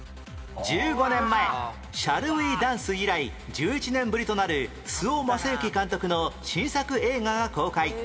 １５年前『Ｓｈａｌｌｗｅ ダンス？』以来１１年ぶりとなる周防正行監督の新作映画が公開